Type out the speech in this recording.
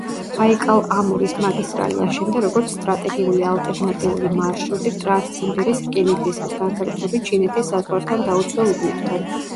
ბაიკალ-ამურის მაგისტრალი აშენდა, როგორც სტრატეგიული ალტერნატიული მარშრუტი ტრანსციმბირის რკინიგზისთვის, განსაკუთრებით ჩინეთის საზღვართან დაუცველ უბნებთან.